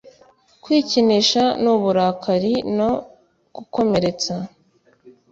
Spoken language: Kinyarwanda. Kwikinisha nuburakari no gukomeretsa